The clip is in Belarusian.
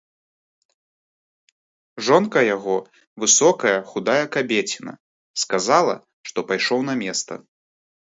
Жонка яго, высокая худая кабеціна, сказала, што пайшоў на места.